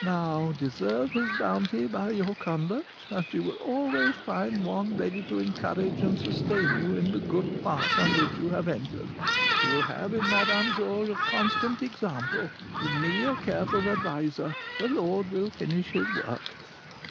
Now deserve his bounty by your conduct, and you will always find one ready to encourage and sustain you in the good path on which you have entered. You will have in Madame Georges a constant example, in me a careful adviser. The Lord will finish his work."